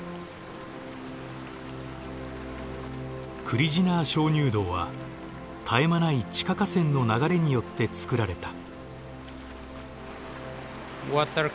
クリジナー鍾乳洞は絶え間ない地下河川の流れによってつくられた。